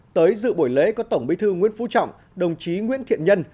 tới dự buổi lễ có tổng bí thư nguyễn phú trọng đồng chí nguyễn thiện nhân